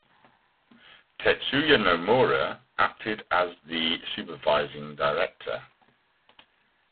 Tetsuya Nomura acted as the supervising director.